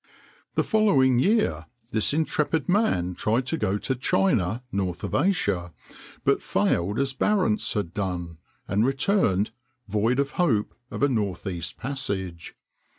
The following year this intrepid man tried to go to China north of Asia, but failed as Barentz had done, and returned "void of hope of a northeast passage."